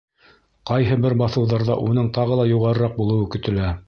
Ҡайһы бер баҫыуҙарҙа уның тағы ла юғарыраҡ булыуы көтөлә.